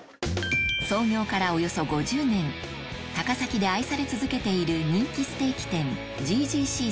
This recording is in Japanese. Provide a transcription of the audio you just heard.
創業からおよそ５０年高崎で愛され続けている人気ステーキ店